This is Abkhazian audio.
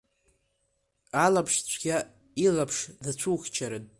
Алаԥшцәгьа илаԥш дацәухьчарын.